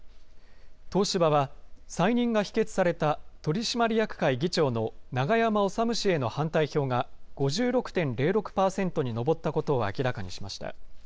東芝は、再任が否決された取締役会議長の永山治氏への反対票が５６．０６％に上ったことを明らかにしました。